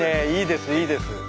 いいですいいです。